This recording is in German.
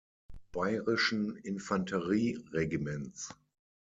Bayrischen Infanterieregiments.